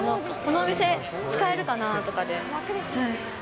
このお店使えるかな？とかで。